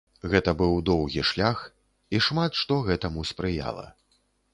Гэты быў доўгі шлях, і шмат што гэтаму спрыяла.